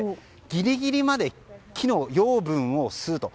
ギリギリまで木の養分を吸うと。